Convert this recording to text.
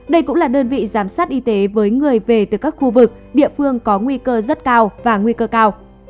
đây cũng là đơn vị giám sát y tế với người về từ các khu vực địa phương có nguy cơ rất cao và nguy cơ cao